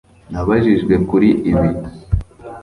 Nabajijwe kuri ibi